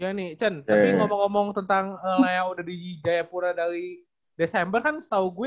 ya nih cen tapi ngomong ngomong tentang le yang udah di jayapura dari desember kan setau gue